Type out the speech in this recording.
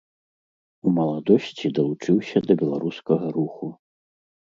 У маладосці далучыўся да беларускага руху.